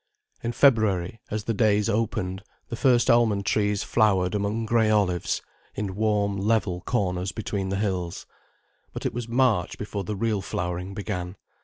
In February, as the days opened, the first almond trees flowered among grey olives, in warm, level corners between the hills. But it was March before the real flowering began.